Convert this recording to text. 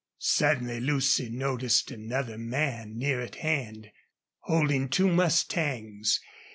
Suddenly Lucy noticed another man, near at hand, holding two mustangs.